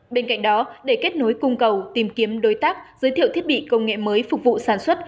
bên cạnh đó để kết nối cung cầu tìm kiếm đối tác giới thiệu thiết bị công nghệ mới phục vụ sản xuất